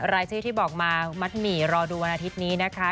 รายชื่อที่บอกมามัดหมี่รอดูวันอาทิตย์นี้นะคะ